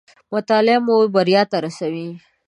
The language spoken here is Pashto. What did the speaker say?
مطالعه مو بريا ته راسوي